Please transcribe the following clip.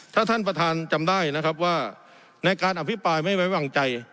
ถ้าท่านประธานจำได้นะครับว่าในการอภิปรายไม่ไว้วางใจ